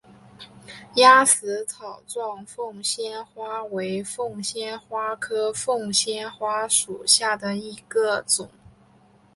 鸭跖草状凤仙花为凤仙花科凤仙花属下的一个种。